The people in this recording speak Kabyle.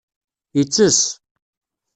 Yettess.